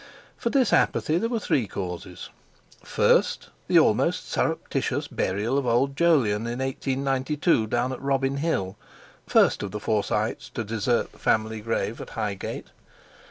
For this apathy there were three causes. First: the almost surreptitious burial of old Jolyon in 1892 down at Robin Hill—first of the Forsytes to desert the family grave at Highgate.